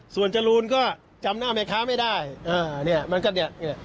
ส่วนจรูนก็จำหน้าแม่ค้าไม่ได้อ่าเนี่ยมันก็เนี่ย